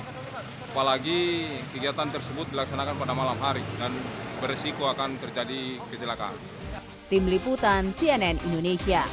apalagi kegiatan tersebut dilaksanakan pada malam hari dan beresiko akan terjadi kecelakaan